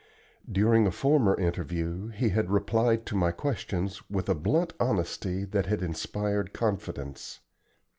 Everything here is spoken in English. During a former interview he had replied to my questions with a blunt honesty that had inspired confidence.